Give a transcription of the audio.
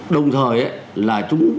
đồng thời là chúng